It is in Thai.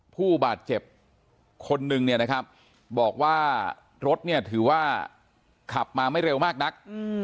ผู้บาดเจ็บคนหนึ่งบอกว่ารถถือว่าขับมาไม่เร็วมากนัก